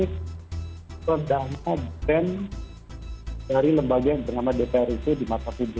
itu adalah brand dari lembaga yang bernama dpr itu di masa dulu